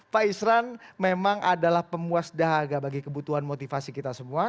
pak isran memang adalah pemuas dahaga bagi kebutuhan motivasi kita semua